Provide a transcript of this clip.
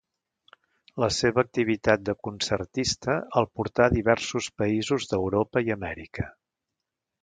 La seva activitat de concertista el portà a diversos països d'Europa i Amèrica.